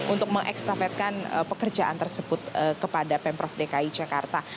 untuk mengekstafetkan pekerjaan tersebut kepada pemprov dki jakarta